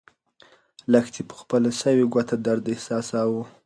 لښتې په خپله سوې ګوته درد احساساوه.